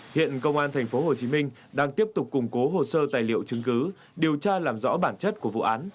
hiện công an tp hcm đang tiếp tục củng cố hồ sơ tài liệu chứng cứ điều tra làm rõ bản chất của vụ án